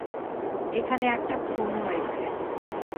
এখানে একটা খুন হয়েছে।